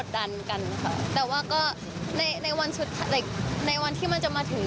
แต่ว่าก็ในวันที่มันจะมาถึง